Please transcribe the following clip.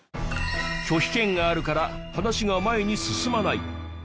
拒否権があるから話が前に進まない。